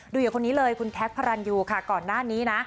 อย่างคนนี้เลยคุณแท็กพระรันยูค่ะก่อนหน้านี้นะ